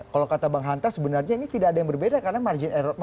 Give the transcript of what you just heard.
kalau kata bang hanta sebenarnya ini tidak ada yang berbeda karena margin error